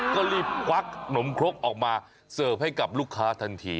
ก็รีบควักหนมครกออกมาเสิร์ฟให้กับลูกค้าทันที